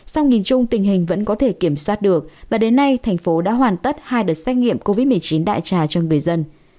sau nhìn chung tình hình vẫn có thể kiểm soát được và đến nay thành phố đã hoàn tất hai đợt xét nghiệm covid một mươi chín đại trà cho người dân